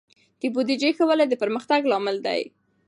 د بودیجې ښه والی د پرمختګ لامل دی.